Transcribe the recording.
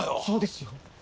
そうですよ。